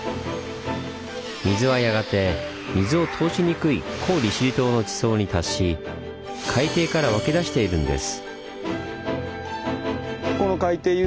水はやがて水を通しにくい古利尻島の地層に達し海底から湧き出しているんです。